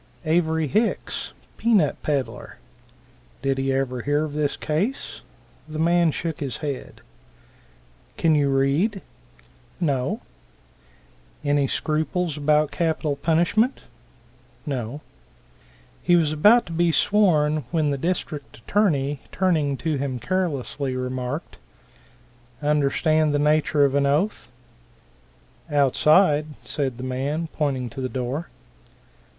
Avery Hicks, pea nut peddler. Did he ever hear of this case? The man shook his head. "Can you read?" "No." "Any scruples about capital punishment?" "No." He was about to be sworn, when the district attorney turning to him carelessly, remarked, "Understand the nature of an oath?" "Outside," said the man, pointing to the door.